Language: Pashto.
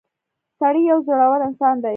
• سړی یو زړور انسان دی.